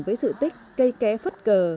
của những kẻ phất cờ